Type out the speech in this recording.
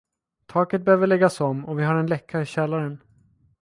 Taket behöver läggas om och vi har en läcka i källaren.